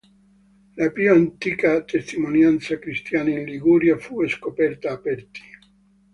La più antica testimonianza cristiana in Liguria fu scoperta a Perti.